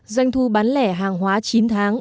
doanh thu bán lẻ hàng hóa chín tháng